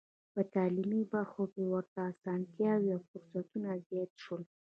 په تعلیمي برخو کې ورته اسانتیاوې او فرصتونه زیات شول.